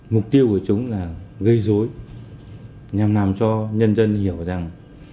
mục tiêu của chúng là gây dối nhằm làm cho nhân dân hiểu rằng